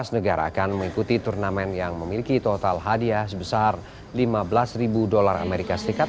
lima belas negara akan mengikuti turnamen yang memiliki total hadiah sebesar lima belas ribu dolar as